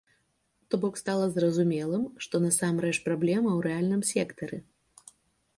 То бок стала зразумелым, што насамрэч праблема ў рэальным сектары.